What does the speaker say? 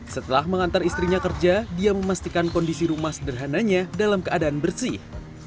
setelah mengantar istrinya kerja dia memastikan kondisi rumah sederhananya dalam keadaan bersih